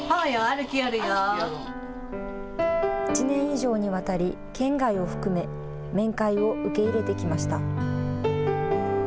１年以上にわたり、県外を含め、面会を受け入れてきました。